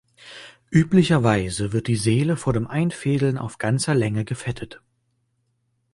Üblicherweise wird die Seele vor dem Einfädeln auf ganzer Länge gefettet.